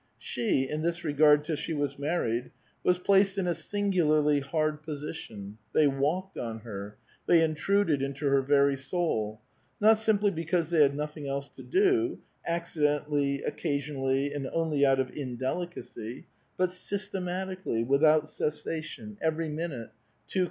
" She, in this regard till she was raaiTied, was placed in a singularly hard position ; they walked on her ; they intruded into her very soul, not simply because they had nothins: else to do, accidentally, occasionally, and only out of indelicacy, but systematically, without cessation, every minute, too A VITAL QtJESflOif.